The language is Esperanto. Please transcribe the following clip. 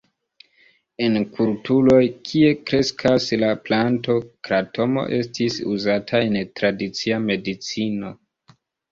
En kulturoj, kie kreskas la planto, kratomo estis uzata en tradicia medicino.